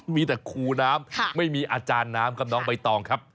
มีแต่คูน้ำไม่มีอาจารย์น้ำครับน้องใบตองครับ